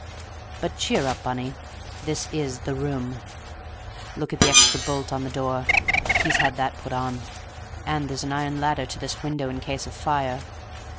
But cheer up, Bunny! This is the room; look at the extra bolt on the door; he's had that put on, and there's an iron ladder to his window in case of fire!